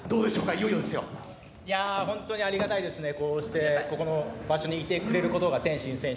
本当にありがたいですね、こうして天心選手がこの場所にいてくれることが。